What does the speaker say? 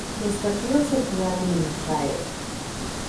Los partidos se jugaron en Israel.